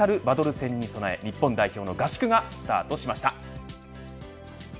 エルサルバドル戦に備え日本代表の合宿がスタートしました。